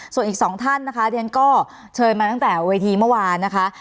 ส่วนอีกสองท่านนะคะเรียนก็เชิญมาตั้งแต่เวทีเมื่อวานนะคะ